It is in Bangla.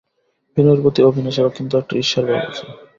বিনয়ের প্রতি অবিনাশের অত্যন্ত একটা ঈর্ষার ভাব আছে।